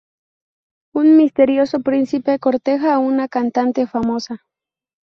Un misterioso príncipe corteja a una cantante famosa.